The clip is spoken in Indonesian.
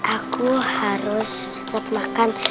aku harus tetep makan